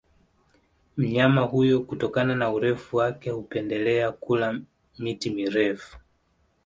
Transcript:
Mnyama huyo kutokana na urefu wake hupendelea kula miti mirefu